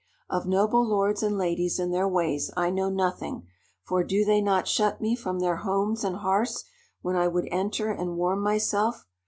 Of noble lords and ladies and their ways I know nothing, for do they not shut me from their homes and hearths when I would enter and warm myself?